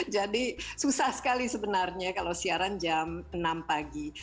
jadi susah sekali sebenarnya kalau siaran jam enam pagi